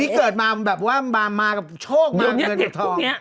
เกิดมาแบบว่ามากับโชคเงินเงินเก็บทอง